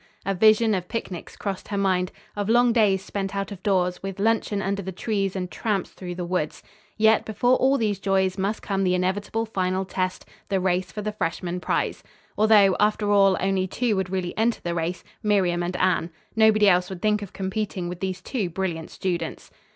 A vision of picnics crossed her mind, of long days spent out of doors, with luncheon under the trees and tramps through the woods. Yet, before all these joys, must come the inevitable final test, the race for the freshman prize. Although, after all, only two would really enter the race, Miriam and Anne. Nobody else would think of competing with these two brilliant students.